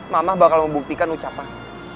mama bakal membuktikan ucapan